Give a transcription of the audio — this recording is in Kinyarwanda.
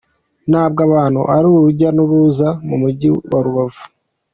Ntabwo abantu ari urujya n'uruza mu mujyi wa Rubavu.